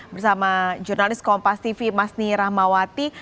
bersama jurnalis kompas tv masni rahmawati